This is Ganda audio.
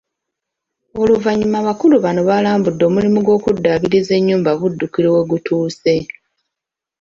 Oluvannyuma abakulu bano balambudde omulimu gw’okuddaabiriza ennyumba Buddukiro we gutuuse.